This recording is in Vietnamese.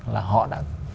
là họ đã